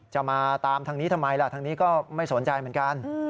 จะมาตามทางนี้ทำไมล่ะทางนี้ก็ไม่สนใจเหมือนกัน